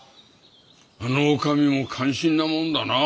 あのおかみも感心なものだな。